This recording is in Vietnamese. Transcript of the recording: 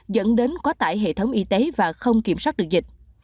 dẫn đến quá tải hệ thống y tế và không kiểm soát được dịch